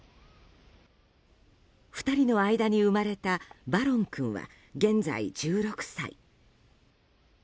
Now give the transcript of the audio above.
２人の間に生まれたバロン君は現在、１６歳。